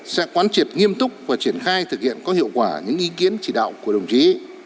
sẽ quán triệt nghiêm túc và triển khai thực hiện có hiệu quả những ý kiến chỉ đạo của đồng chí